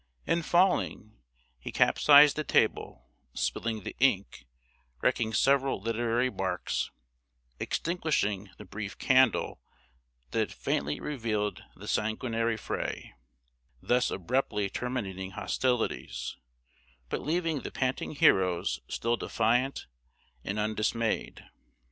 In falling, he capsized the table, spilling the ink, wrecking several literary barks, extinguishing the "brief candle" that had faintly revealed the sanguinary fray, thus abruptly terminating hostilities, but leaving the panting heroes still defiant and undismayed.